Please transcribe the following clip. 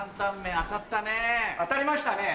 当たりましたねぇ。